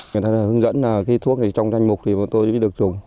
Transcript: người ta đã hướng dẫn là cái thuốc này trong danh mục thì tôi mới được dùng